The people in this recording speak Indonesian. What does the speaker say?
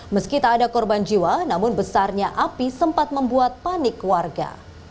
meski tak ada korban jiwa namun besarnya api sempat membuat panik warga